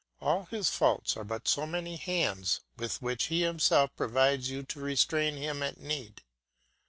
All his faults are but so many hands with which he himself provides you to restrain him at need.